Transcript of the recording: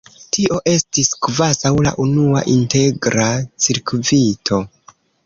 Tio estis kvazaŭ la unua integra cirkvito.